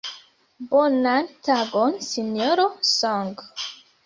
Bonan tagon Sinjoro Song.